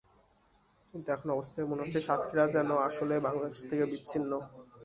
কিন্তু এখন অবস্থা দেখে মনে হচ্ছে, সাতক্ষীরা যেন আসলেই বাংলাদেশ থেকে বিচ্ছিন্ন।